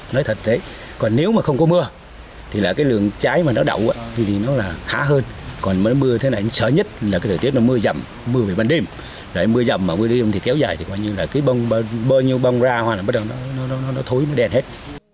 nhưng là cái bông bơ như bông ra hoặc là bất lợi nó thối nó đèn hết